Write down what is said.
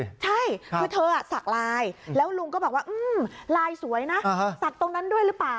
ใช่คือเธอสักลายแล้วลุงก็บอกว่าลายสวยนะศักดิ์ตรงนั้นด้วยหรือเปล่า